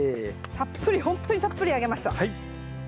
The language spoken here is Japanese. たっぷりほんとにたっぷりあげました。